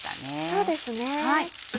そうですね。